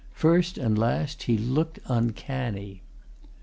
First and last, he looked uncanny.